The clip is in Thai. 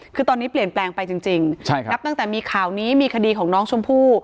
คือตอนนี้เปลี่ยนแปลงไปจริงนับตั้งแต่มีข่าวนี้มีคดีของน้องชมพู่